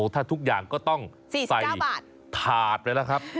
ถ้าทุกอย่างก็ต้องใส่ถาดไปแล้วครับ